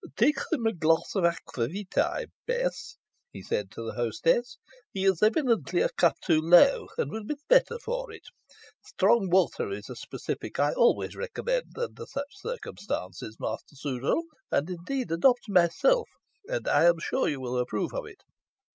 "Take him a glass of aquavitæ, Bess," he said to the hostess. "He is evidently a cup too low, and will be the better for it. Strong water is a specific I always recommend under such circumstances, Master Sudall, and indeed adopt myself, and I am sure you will approve of it.